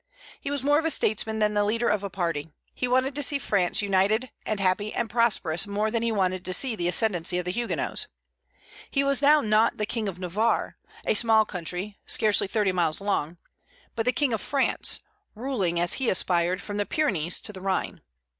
He was more of a statesman than the leader of a party. He wanted to see France united and happy and prosperous more than he wanted to see the ascendency of the Huguenots. He was now not the King of Navarre, a small country, scarcely thirty miles long, but the King of France, ruling, as he aspired, from the Pyrenees to the Rhine.